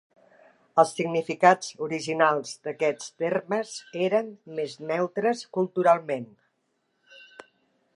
Els significats originals d'aquests termes eren més neutres culturalment.